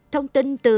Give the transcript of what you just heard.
thông tin từ